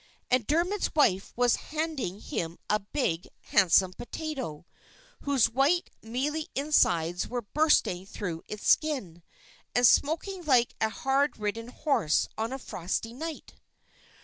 And Dermod's wife was handing him a big, handsome potato, whose white, mealy insides were bursting through its skin, and smoking like a hard ridden horse on a frosty night.